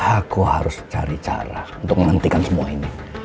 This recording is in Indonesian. aku harus cari cara untuk menghentikan semua ini